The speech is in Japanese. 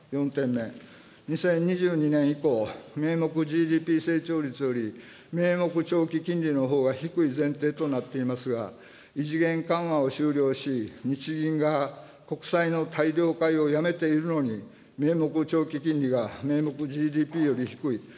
４点目、２０２２年以降、名目ＧＤＰ成長率より名目長期金利のほうが低い前提となっていますが、異次元緩和を終了し、日銀が国債の大量買いをやめているのに、名目長期金利が名目ＧＤＰより低い。